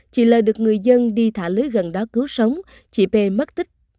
chị l được người dân đi thả lưới gần đó cứu sống chị p mất tích